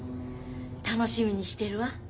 楽しみにしてるわ。